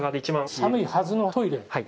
寒いはずのトイレ。